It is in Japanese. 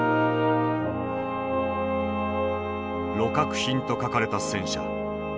「鹵獲品」と書かれた戦車。